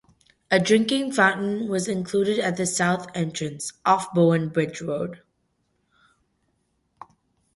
A drinking fountain was included at the south entrance off Bowen Bridge Road.